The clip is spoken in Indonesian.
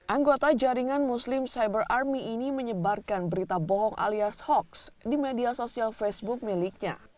anggota jaringan muslim cyber army ini menyebarkan berita bohong alias hoax di media sosial facebook miliknya